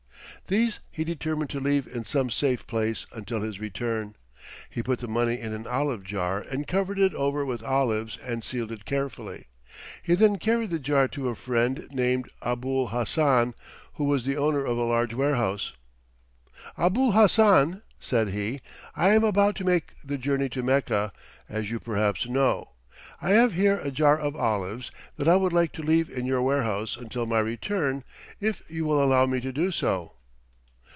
These he determined to leave in some safe place until his return. He put the money in an olive jar and covered it over with olives and sealed it carefully. He then carried the jar to a friend named Abul Hassan, who was the owner of a large warehouse. "Abul Hassan," said he, "I am about to make the journey to Mecca, as you perhaps know. I have here a jar of olives that I would like to leave in your warehouse until my return, if you will allow me to do so."